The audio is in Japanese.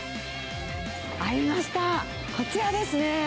ありました、こちらですね。